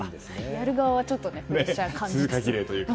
やる側はちょっとプレッシャーになりますね。